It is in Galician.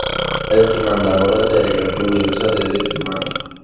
É o que manda a moral e a Declaración Universal de Dereitos Humanos.